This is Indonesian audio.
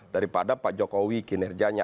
daripada pak jokowi kinerjanya